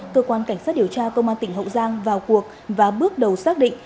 cơ quan cảnh sát điều tra công an tỉnh hậu giang vào cuộc và bước đầu xác định